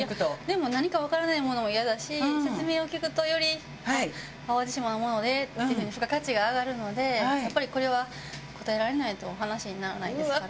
でも何かわからないものもイヤだし説明を聞くとより「淡路島のもので」っていう風に付加価値が上がるのでやっぱりこれは答えられないとお話にならないですから。